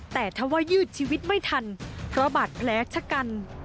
แต่ถ้าว่ายืดชีวิตไม่ทันเพราะบาดแผลชะกัน